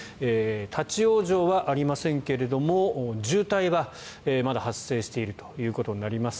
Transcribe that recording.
立ち往生はありませんけども渋滞はまだ発生しているということになります。